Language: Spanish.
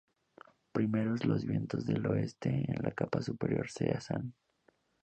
Primero, los vientos del oeste en la capa superior cesan.